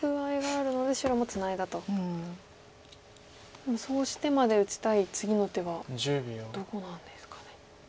でもそうしてまで打ちたい次の手はどこなんですかね。